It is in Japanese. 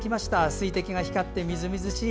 水滴が光ってみずみずしい。